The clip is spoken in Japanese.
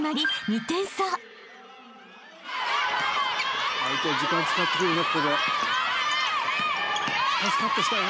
相手は時間使ってくるね